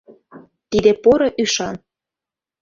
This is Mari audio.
Тиде — поро ӱшан.